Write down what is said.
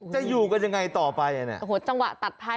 จะอยู่กันยังไงต่อไปอ่ะเนี่ยโอ้โหจังหวะตัดท้าย